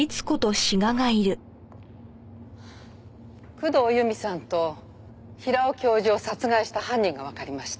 工藤由美さんと平尾教授を殺害した犯人がわかりました。